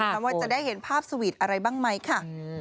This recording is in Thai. ว่าจะได้เห็นภาพสวีทอะไรบ้างไหมค่ะ